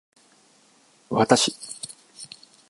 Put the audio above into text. わたし